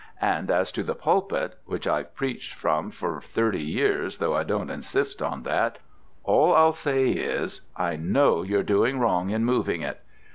And as to the pulpit (which I've preached from for thirty years, though I don't insist on that) all I'll say is, I know you're doing wrong in moving it."